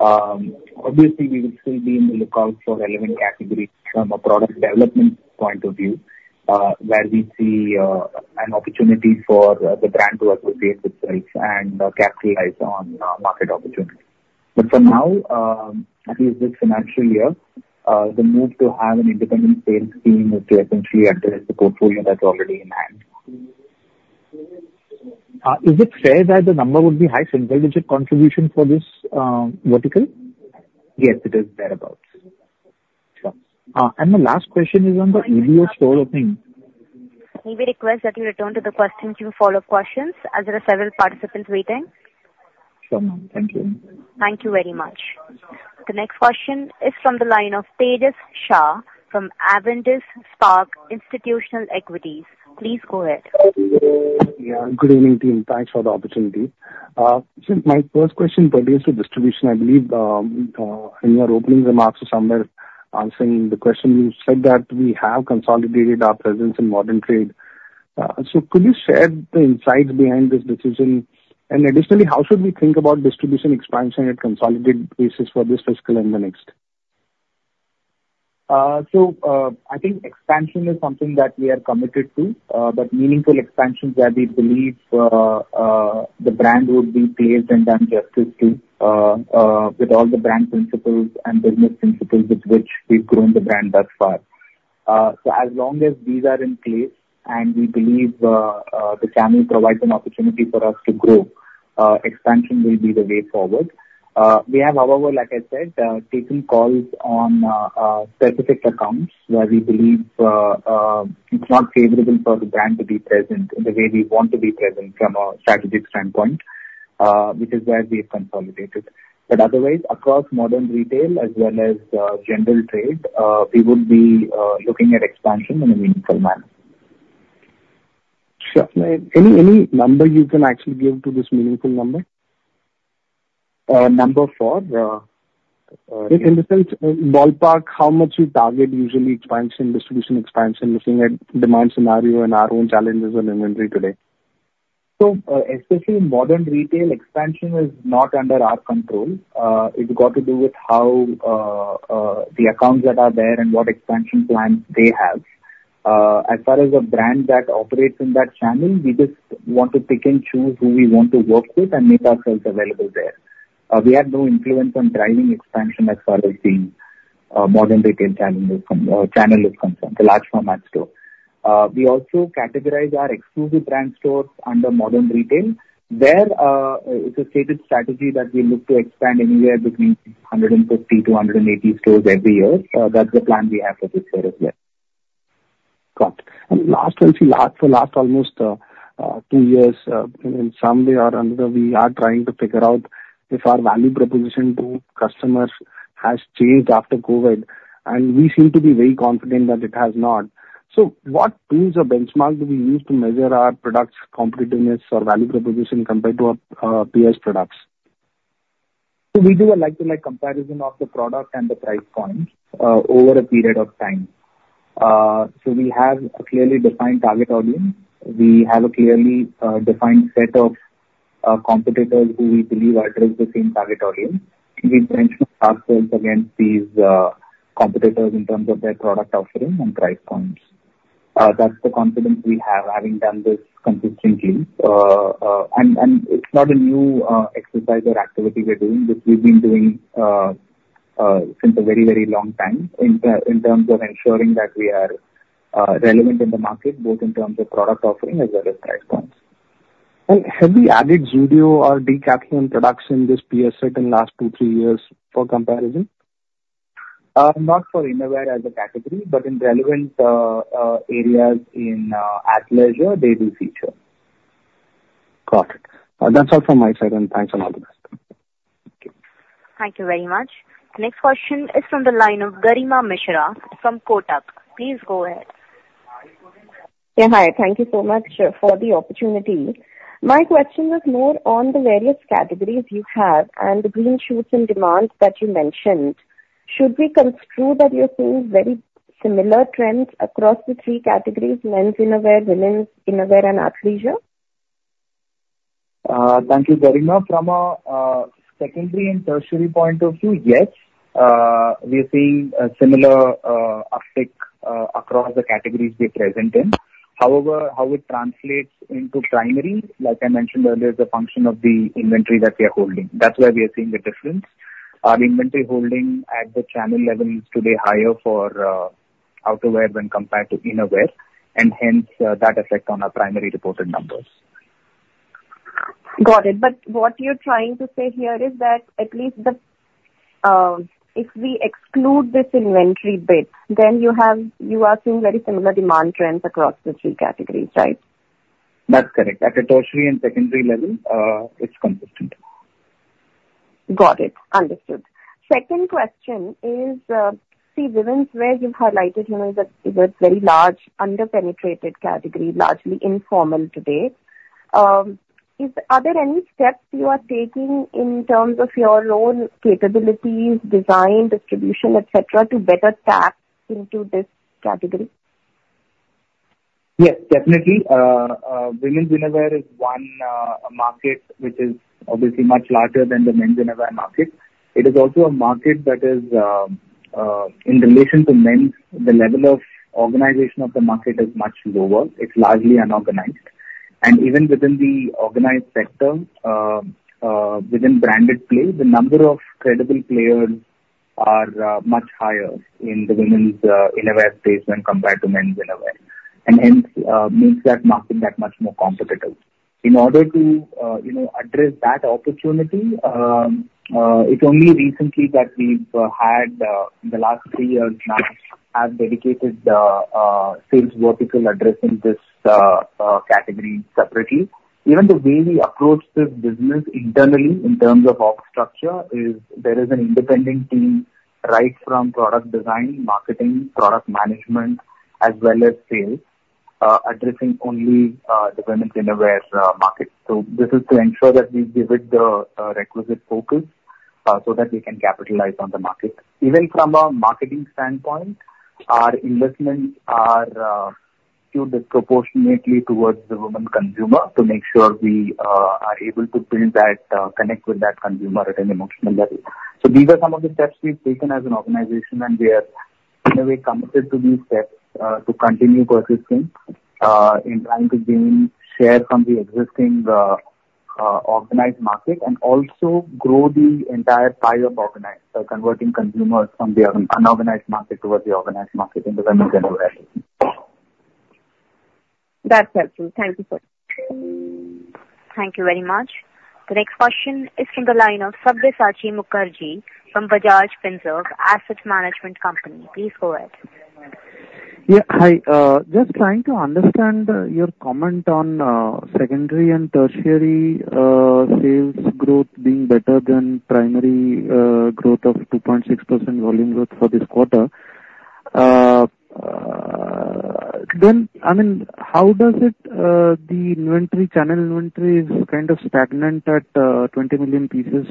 Obviously, we will still be in the lookout for relevant categories from a product development point of view, where we see an opportunity for the brand to appreciate its strengths and capitalize on market opportunity.
But for now, at least this financial year, the move to have an independent sales team is to essentially address the portfolio that's already in hand. Is it fair that the number would be high single-digit contribution for this vertical?
Yes, it is thereabouts.
Sure. My last question is on the EBO store opening.
May we request that you return to the question queue for follow-up questions as there are several participants waiting?
Sure. Thank you.
Thank you very much. The next question is from the line of Tejas Shah from Avendus Spark Institutional Equities. Please go ahead.
Yeah. Good evening, team. Thanks for the opportunity. So my first question pertains to distribution. I believe in your opening remarks or somewhere answering the question, you said that we have consolidated our presence in modern trade. So could you share the insights behind this decision? And additionally, how should we think about distribution expansion at a consolidated basis for this fiscal and the next?
So I think expansion is something that we are committed to, but meaningful expansions where we believe the brand would be placed and done justice to with all the brand principles and business principles with which we've grown the brand thus far. So as long as these are in place, and we believe the channel provides an opportunity for us to grow, expansion will be the way forward. We have, however, like I said, taken calls on specific accounts where we believe it's not favorable for the brand to be present in the way we want to be present from a strategic standpoint, which is why we have consolidated. But otherwise, across modern trade as well as general trade, we will be looking at expansion in a meaningful manner.
Sure. Any number you can actually give to this meaningful number?
Number four?
In the sense, ballpark, how much you target usually expansion, distribution expansion, looking at demand scenario and our own challenges on inventory today?
So especially in modern retail, expansion is not under our control. It's got to do with how the accounts that are there and what expansion plans they have. As far as a brand that operates in that channel, we just want to pick and choose who we want to work with and make ourselves available there. We have no influence on driving expansion as far as the modern retail channel is concerned, the large format store. We also categorize our exclusive brand stores under modern retail. There, it's a stated strategy that we look to expand anywhere between 140 to 180 stores every year. That's the plan we have for this year as well.
Got it. And last, I'll say for the last almost two years, in some way or another, we are trying to figure out if our value proposition to customers has changed after COVID. And we seem to be very confident that it has not. So what tools or benchmarks do we use to measure our product's competitiveness or value proposition compared to our Peer products?
So we do a like-to-like comparison of the product and the price point over a period of time. So we have a clearly defined target audience. We have a clearly defined set of competitors who we believe address the same target audience. We benchmark ourselves against these competitors in terms of their product offering and price points. That's the confidence we have having done this consistently. And it's not a new exercise or activity we're doing. We've been doing this since a very, very long time in terms of ensuring that we are relevant in the market, both in terms of product offering as well as price points.
Have we added Zudio or Decathlon production in this Peer set in the last two, three years for comparison?
Not for Innerwear as a category, but in relevant areas in Athleisure, they do feature.
Got it. That's all from my side. Thanks a lot.
Thank you very much. The next question is from the line of Garima Mishra from Kotak. Please go ahead.
Yeah. Hi. Thank you so much for the opportunity. My question was more on the various categories you have and the green shoots in demand that you mentioned. Should we construe that you're seeing very similar trends across the three categories: men's innerwear, women's innerwear, and athleisure?
Thank you very much. From a secondary and tertiary point of view, yes. We are seeing a similar uptick across the categories they're present in. However, how it translates into primary, like I mentioned earlier, is a function of the inventory that we are holding. That's why we are seeing the difference. Our inventory holding at the channel level is today higher for outerwear when compared to innerwear. And hence, that affects on our primary reported numbers.
Got it. But what you're trying to say here is that at least if we exclude this inventory bit, then you are seeing very similar demand trends across the three categories, right?
That's correct. At the tertiary and secondary level, it's consistent.
Got it. Understood. Second question is, see, women's wear, you've highlighted women's is a very large under-penetrated category, largely informal today. Are there any steps you are taking in terms of your own capabilities, design, distribution, etc., to better tap into this category?
Yes, definitely. Women's innerwear is one market which is obviously much larger than the men's innerwear market. It is also a market that is, in relation to men's, the level of organization of the market is much lower. It's largely unorganized. Even within the organized sector, within branded players, the number of credible players are much higher in the women's innerwear space when compared to men's innerwear. Hence, makes that market that much more competitive. In order to address that opportunity, it's only recently that we've had the last three years now have dedicated sales vertical addressing this category separately. Even the way we approach this business internally in terms of our structure is there is an independent team right from product design, marketing, product management, as well as sales, addressing only the women's innerwear market. So this is to ensure that we give it the requisite focus so that we can capitalize on the market. Even from a marketing standpoint, our investments are skewed disproportionately towards the women consumer to make sure we are able to build that, connect with that consumer at an emotional level. So these are some of the steps we've taken as an organization, and we are in a way committed to these steps to continue persisting in trying to gain share from the existing organized market and also grow the entire pie of converting consumers from the unorganized market towards the organized market in the women's innerwear.
That's helpful. Thank you for that.
Thank you very much. The next question is from the line of Sabyasachi Mukerji from Bajaj Finserv Asset Management Company. Please go ahead.
Yeah. Hi. Just trying to understand your comment on secondary and tertiary sales growth being better than primary growth of 2.6% volume growth for this quarter. Then, I mean, how does it the channel inventory is kind of stagnant at 20 million pieces,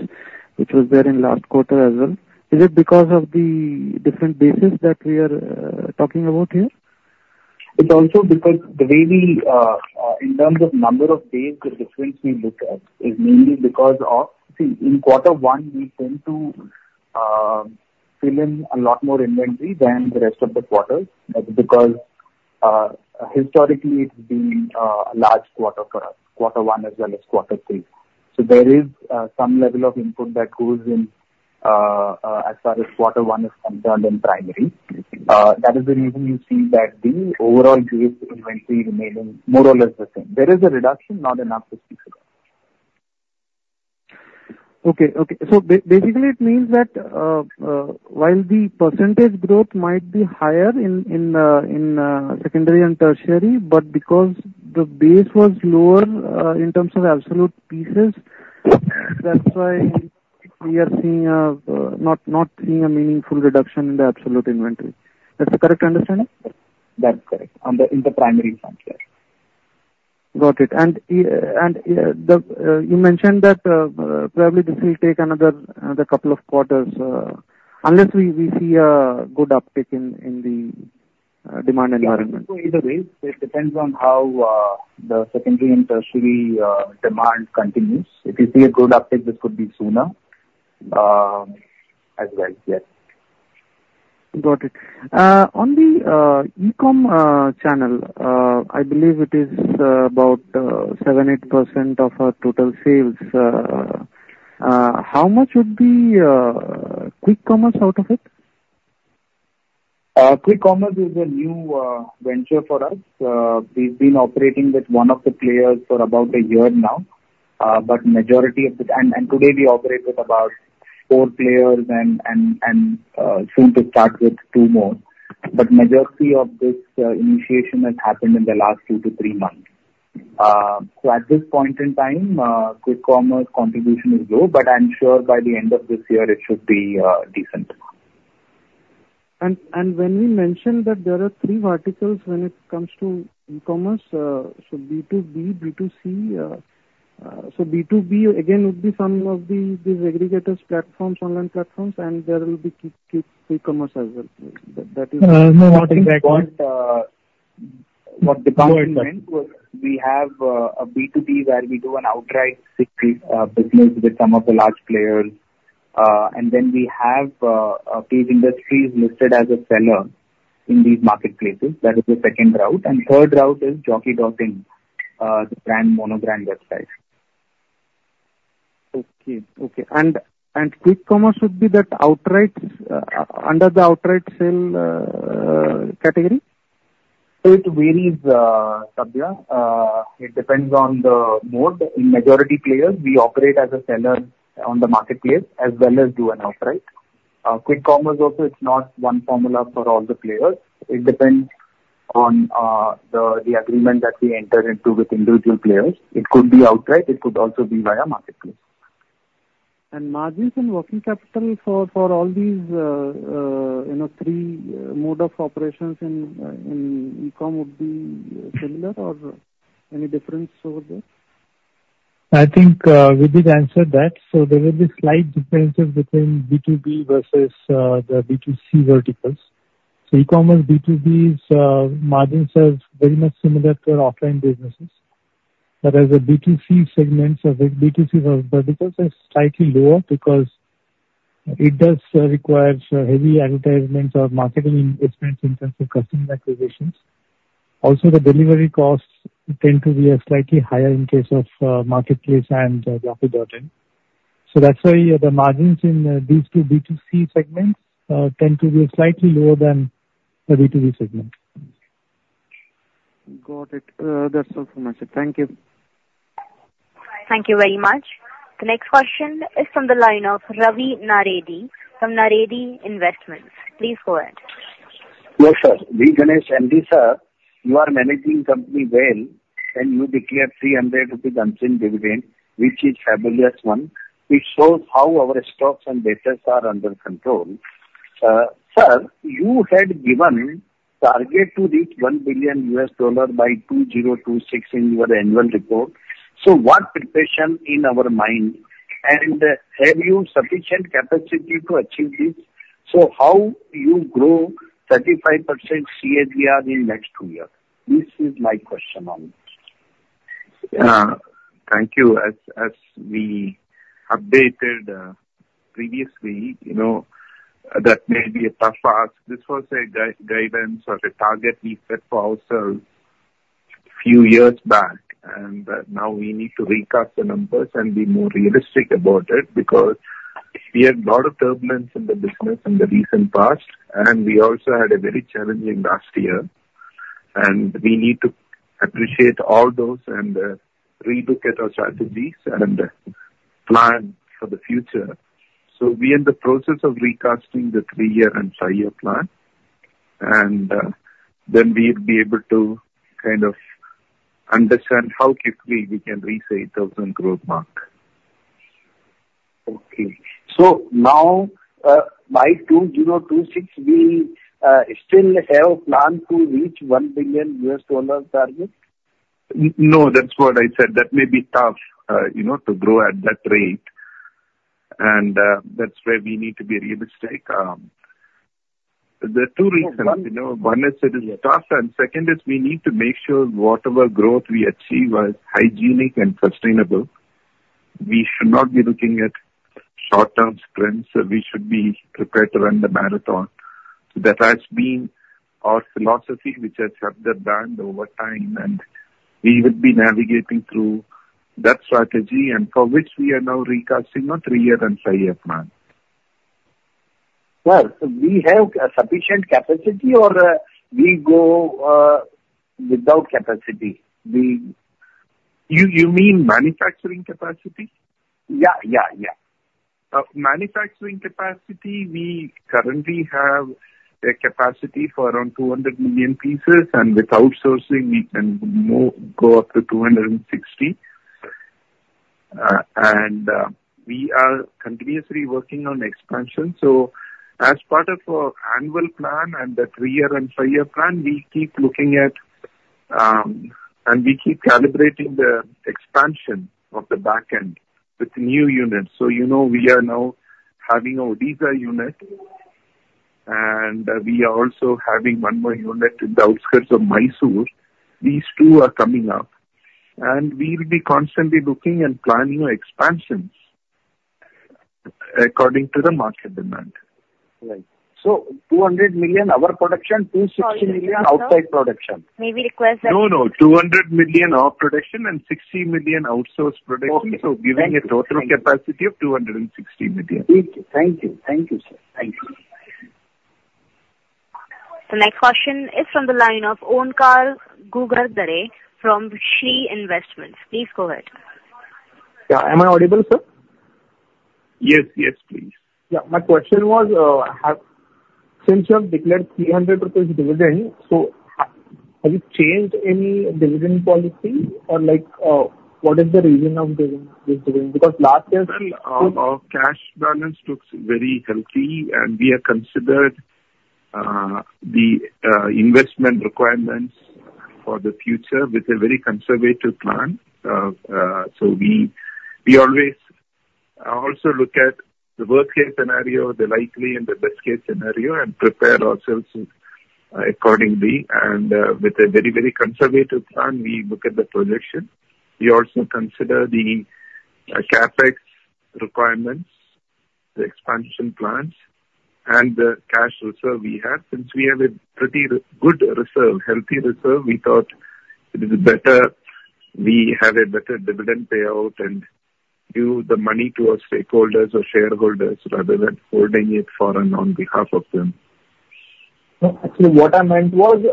which was there in last quarter as well? Is it because of the different basis that we are talking about here?
It also depends the way we, in terms of number of days, we're differently looked at. It's mainly because of, see, in quarter one, we tend to fill in a lot more inventory than the rest of the quarters. That's because historically, it's been a large quarter for us. Quarter one as well as quarter three. So there is some level of input that goes in as far as quarter one is concerned in primary. That is the reason you see that the overall base inventory remaining more or less the same. There is a reduction, not enough to speak to that.
Okay. Okay. So basically, it means that while the percentage growth might be higher in secondary and tertiary, but because the base was lower in terms of absolute pieces, that's why we are not seeing a meaningful reduction in the absolute inventory. That's the correct understanding?
That's correct. In the primary income, yes.
Got it. You mentioned that probably this will take another couple of quarters unless we see a good uptick in the demand environment.
Either way, it depends on how the secondary and tertiary demand continues. If you see a good uptick, this could be sooner as well, yes.
Got it. On the e-com channel, I believe it is about 7%, 8% of our total sales. How much would be quick commerce out of it?
Quick commerce is a new venture for us. We've been operating with one of the players for about a year now, but majority of it and today, we operate with about four players and soon to start with two more. But majority of this initiation has happened in the last two to three months. So at this point in time, quick commerce contribution is low, but I'm sure by the end of this year, it should be decent.
When we mentioned that there are three verticals when it comes to e-commerce, so B2B, B2C, so B2B, again, would be some of these aggregators' platforms, online platforms, and there will be quick commerce as well. That is the point.
With B2B, we have a B2B where we do an outright business with some of the large players. And then we have Page Industries listed as a seller in these marketplaces. That is the second route. And third route is Jockey.in, the brand monobrand website.
Okay. Okay. And quick commerce should be that outright under the outright sale category?
It varies, Sabri. It depends on the mode. In majority players, we operate as a seller on the marketplace as well as do an outright. Quick commerce also, it's not one formula for all the players. It depends on the agreement that we enter into with individual players. It could be outright. It could also be via marketplace.
Margins and working capital for all these three modes of operations in e-com would be similar or any difference over there?
I think we did answer that. There is a slight difference between B2B versus the B2C verticals. E-commerce B2B's margins are very much similar to our offline businesses. But as a B2C segment, B2C verticals are slightly lower because it does require heavy advertisements or marketing investments in terms of customer acquisitions. Also, the delivery costs tend to be slightly higher in case of marketplace and Jockey Dropping. That's why the margins in these two B2C segments tend to be slightly lower than the B2B segment.
Got it. That's all from my side. Thank you.
Thank you very much. The next question is from the line of Ravi Naredi from Naredi Investments. Please go ahead.
Well, sir, we can extend this, sir. You are managing company well, and you declared 300 rupees unseen dividend, which is fabulous one. It shows how our stocks and data are under control. Sir, you had given target to reach $1 billion by 2026 in your annual report. So what preparation in our mind? And have you sufficient capacity to achieve this? So how you grow 35% CAGR in the next two years? This is my question on it.
Thank you. As we updated previously, that may be a tough ask. This was a guidance or a target we set for ourselves a few years back. Now we need to recap the numbers and be more realistic about it because we had a lot of turbulence in the business in the recent past. We also had a very challenging last year. We need to appreciate all those and re-look at our strategies and plan for the future. So we are in the process of recasting the three-year and five-year plan. Then we'll be able to kind of understand how quickly we can reach a 8,000 growth mark.
Okay. Now, by 2026, we still have a plan to reach $1 billion U.S. dollar target?
No, that's what I said. That may be tough to grow at that rate. And that's where we need to be realistic. There are two reasons. One is that it is tough. And second is we need to make sure whatever growth we achieve is hygienic and sustainable. We should not be looking at short-term sprints. We should be prepared to run the marathon. That has been our philosophy, which has stood the test of time. And we would be navigating through that strategy and for which we are now recasting a three-year and five-year plan.
Well, we have sufficient capacity or we go without capacity? You mean manufacturing capacity?
Yeah. Yeah. Yeah.
Manufacturing capacity, we currently have a capacity for around 200 million pieces. With outsourcing, we can go up to 260. We are continuously working on expansion. So as part of our annual plan and the three-year and five-year plan, we keep looking at and we keep calibrating the expansion of the backend with new units. We are now having a Odisha unit. We are also having one more unit in the outskirts of Mysuru. These two are coming up. We will be constantly looking and planning expansions according to the market demand.
Right. So 200 million our production, 260 million outside production.
May we request that?
No, no. 200 million our production and 60 million outsource production. So giving a total capacity of 260 million.
Thank you. Thank you. Thank you, sir.
Thank you.
The next question is from the line of Onkar Ghugardare from Shree Investments. Please go ahead.
Yeah. Am I audible, sir?
Yes. Yes, please.
Yeah. My question was, since you have declared ₹300 dividend, so has it changed any dividend policy? Or what is the reason of giving this dividend? Because last year, sir.
Our cash balance looks very healthy. We have considered the investment requirements for the future with a very conservative plan. We always also look at the worst-case scenario, the likely, and the best-case scenario, and prepare ourselves accordingly. With a very, very conservative plan, we look at the projection. We also consider the CapEx requirements, the expansion plans, and the cash reserve we have. Since we have a pretty good reserve, healthy reserve, we thought it is better we have a better dividend payout and give the money to our stakeholders or shareholders rather than holding it foreign on behalf of them.
So actually, what I meant was,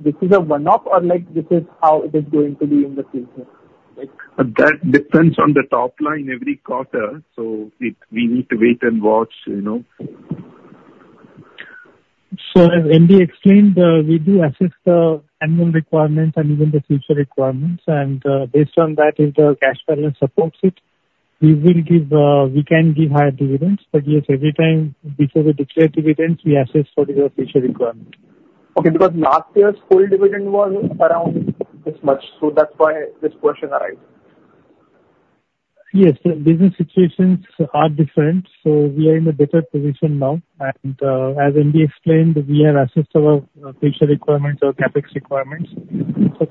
this is a one-off or this is how it is going to be in the future?
That depends on the top line every quarter. So we need to wait and watch. As already explained, we do assess the annual requirements and even the future requirements. Based on that, if our cash balance supports it, we can give higher dividends. Yes, every time we declare dividends, we assess for the future requirements.
Okay. Because last year's full dividend was around this much. So that's why this question arises.
Yes. Business situations are different. We are in a better position now. As already explained, we have assessed our future requirements, our CapEx requirements.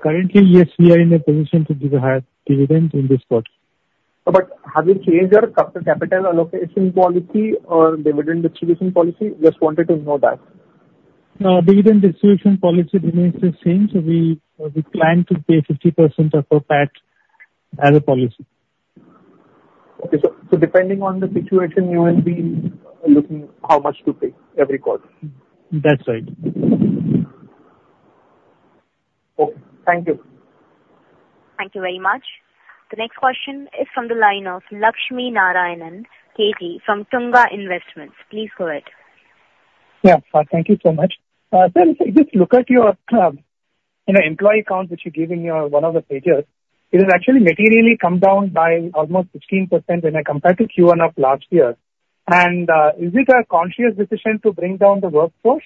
Currently, yes, we are in a position to give a higher dividend in this quarter.
Have you changed your capital allocation policy or dividend distribution policy? Just wanted to know that.
Dividend distribution policy remains the same. So we plan to pay 50% of our tax as a policy.
Okay. Depending on the situation, you will be looking how much to pay every quarter.
That's right.
Okay. Thank you.
Thank you very much. The next question is from the line of Lakshminarayanan K.G from Tunga Investments. Please go ahead.
Yeah. Thank you so much. Sir, if you just look at your employee accounts that you gave in one of the pages, it has actually materially come down by almost 15% when I compared to Q1 of last year. And is it a conscious decision to bring down the workforce?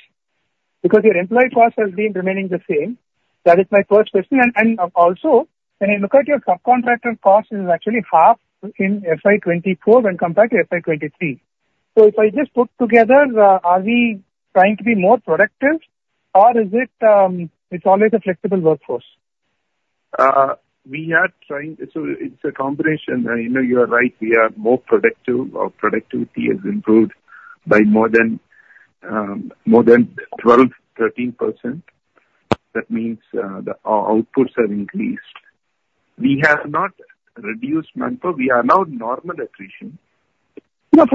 Because your employee cost has been remaining the same. That is my first question. And also, when I look at your subcontractor cost, it is actually half in FY24 when compared to FY23. So if I just put together, are we trying to be more productive, or is it always a flexible workforce?
We are trying. It's a combination. You are right. We are more productive. Our productivity has improved by more than 12%-13%. That means our outputs have increased. We have not reduced manpower. We are now normal at attrition.
It was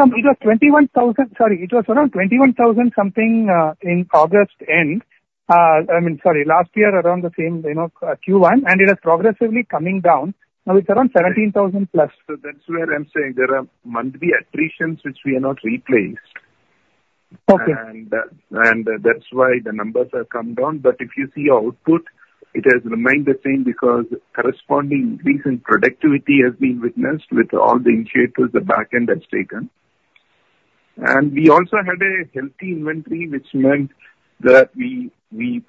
21,000. Sorry. It was around 21,000 something in August end. I mean, sorry, last year around the same Q1. And it has progressively coming down. Now it's around 17,000+.
That's where I'm saying there are monthly attritions which we have not replaced. That's why the numbers have come down. But if you see our output, it has remained the same because corresponding increase in productivity has been witnessed with all the initiatives the backend has taken. We also had a healthy inventory, which meant that we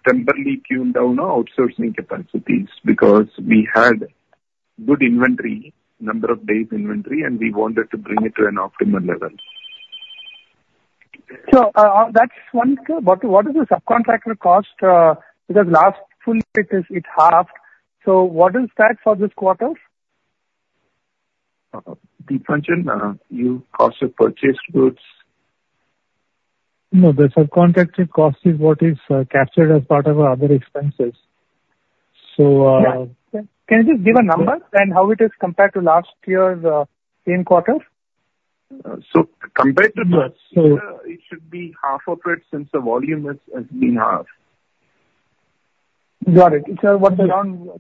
temporarily tuned down our outsourcing capacities because we had good inventory, number of days inventory, and we wanted to bring it to an optimal level.
So that's one quick. What is the subcontractor cost? Because last full it is halved. So what is that for this quarter?
Deepanjan, you also purchased goods.
No, the subcontracted cost is what is captured as part of our other expenses.
Can I just give a number and how it is compared to last year's in quarter?
Compared to that, so it should be half of it since the volume has been halved.
Got it. So what's the—I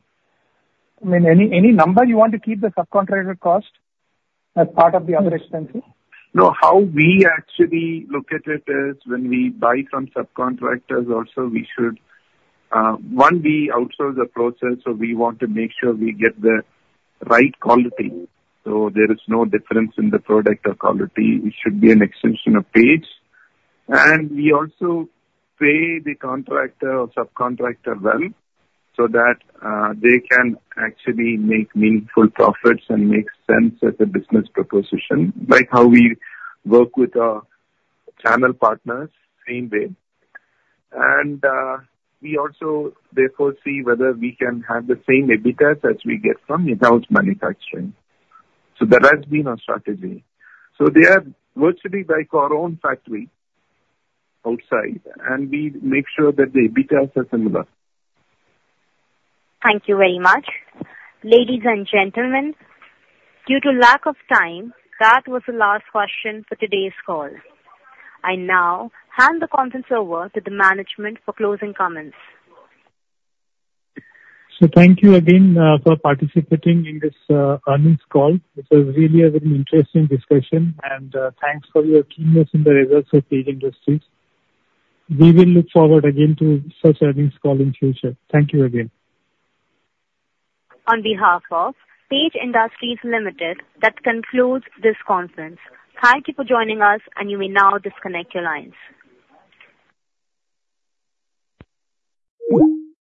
mean, any number you want to keep the subcontractor cost as part of the operation?
No, how we actually look at it is when we buy from subcontractors, also we should, one, be outsourced approaches. So we want to make sure we get the right quality. So there is no difference in the product or quality. It should be an extension of Page. And we also pay the contractor or subcontractor well so that they can actually make meaningful profits and make sense at the business proposition, like how we work with our channel partners, Greenway. And we also therefore see whether we can have the same EBITDAs that we get from without manufacturing. So that has been our strategy. So they are virtually like our own factory outside. And we make sure that the EBITDAs are similar.
Thank you very much. Ladies and gentlemen, due to lack of time, that was the last question for today's call. I now hand the conference over to the management for closing comments.
Thank you again for participating in this earnings call. This was really a very interesting discussion. Thanks for your keenness in the results with Page Industries. We will look forward again to such earnings call in the future. Thank you again.
On behalf of Page Industries Limited, that concludes this conference. Thank you for joining us, and you may now disconnect your lines.